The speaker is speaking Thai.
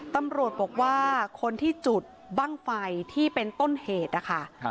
ตำรวจบอกว่าคนที่จุดบ้างไฟที่เป็นต้นเหตุนะคะ